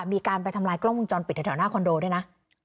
มีการไปทำลายกล้องวงจรปิดแถวหน้าคอนโดด้วยนะ